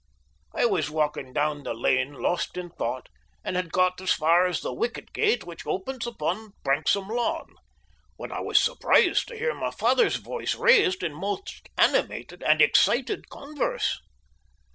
I was walking down the lane lost in thought, and had got as far as the wicket gate which opens upon the Branksome lawn, when I was surprised to hear my father's voice raised in most animated and excited converse.